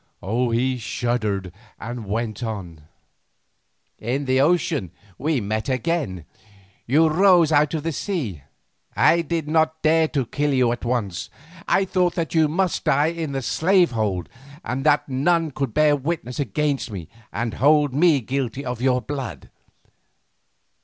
He shuddered and went on. "In the ocean we met again. You rose out of the sea. I did not dare to kill you at once, I thought that you must die in the slave hold and that none could bear witness against me and hold me guilty of your blood.